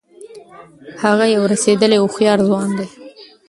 هغه یو رسېدلی او هوښیار ځوان دی.